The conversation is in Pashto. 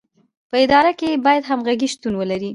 په اداره کې باید همغږي شتون ولري.